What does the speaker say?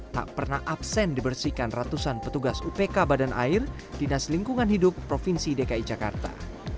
tak pernah absen dibersihkan ratusan petugas upk badan air dinas lingkungan hidup provinsi dki jakarta